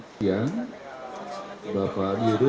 hai yang bapak diri